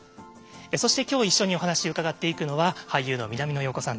そして今日一緒にお話伺っていくのは俳優の南野陽子さんです。